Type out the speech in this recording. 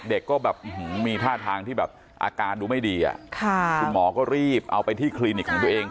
เด็กก็แบบมีท่าทางที่แบบอาการดูไม่ดีคุณหมอก็รีบเอาไปที่คลินิกของตัวเอง